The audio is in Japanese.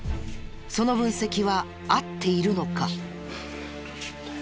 その分析は合っているのか？